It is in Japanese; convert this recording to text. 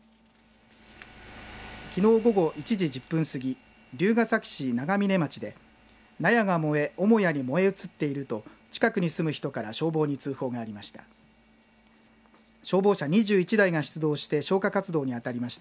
きのう午後１時１０分すぎ龍ケ崎市長峰町で納屋が燃え母屋に燃え移っていると近くに住む人から消防に通報がありました。